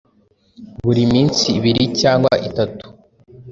buri minsi ibiri cyangwa itatu